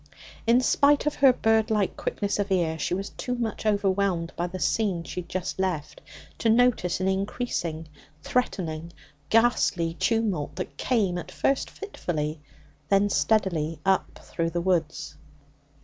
In spite of her bird like quickness of ear, she was too much overwhelmed by the scene she had just left to notice an increasing, threatening, ghastly tumult that came, at first fitfully, then steadily, up through the woods.